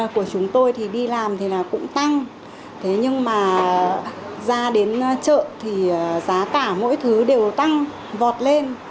khi ta đến chợ thì giá cả mỗi thứ đều tăng vọt lên